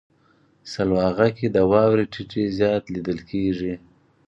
سلواغه کې د واورې ټيټی زیات لیدل کیږي.